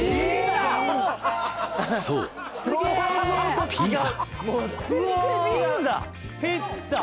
そうピザ